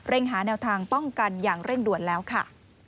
หาแนวทางป้องกันอย่างเร่งด่วนแล้วค่ะ